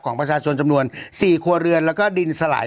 ของประชาชนจำนวน๔ครัวเรือนแล้วก็ดินสลาย